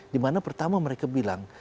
dimana pertama mereka bilang